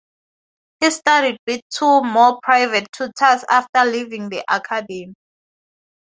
He studied with two more private tutors after leaving the academy.